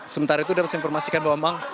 sementara itu dapat saya informasikan bahwa memang